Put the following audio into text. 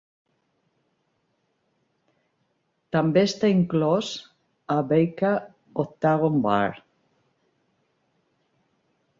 També està inclòs a Baker Octagon Barn.